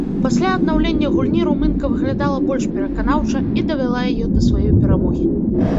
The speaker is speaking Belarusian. Пасля аднаўлення гульні румынка выглядала больш пераканаўча і давяла яе да сваёй перамогі.